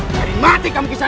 dari mati kamu kesana